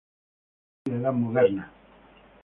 Comienza así la Edad Moderna.